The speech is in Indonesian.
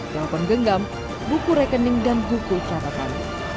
bau penggenggam buku rekening dan buku carapan